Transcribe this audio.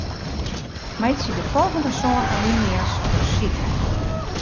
Meitsje de folgjende sân alinea's kursyf.